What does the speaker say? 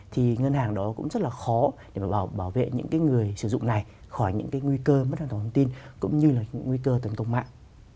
thì ngân hàng đó cũng rất là khó để bảo vệ những người sử dụng này khỏi những cái nguy cơ mất an toàn thông tin cũng như là những nguy cơ tấn công mạng